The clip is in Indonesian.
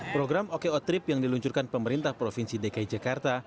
program oko trip yang diluncurkan pemerintah provinsi dki jakarta